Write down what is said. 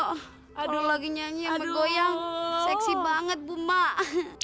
kalau lagi nyanyi sama goyang seksi banget bu mak